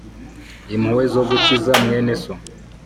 impuhwe zo gukiza mwene so